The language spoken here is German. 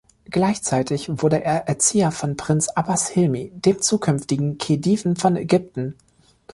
Gleichzeitig wurde er Erzieher von Prinz Abbas Hilmi, dem zukünftigen Khediven von Ägypten.